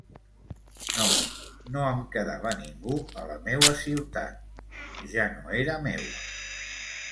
No, no em quedava ningú a la meua ciutat, ja no era meua.